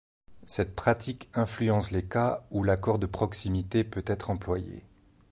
Cette pratique influence les cas où l'accord de proximité peut être employé.